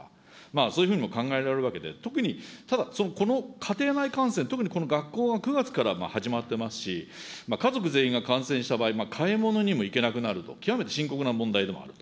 そういうふうにも考えられるわけで、特に、ただ、この家庭内感染、学校が９月から始まってますし、家族全員が感染した場合、買い物にも行けなくなると、極めて深刻な問題でもある。